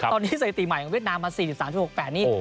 ตอนนี้สถิติใหม่ของเวียดนามมา๔๓๖๘นี่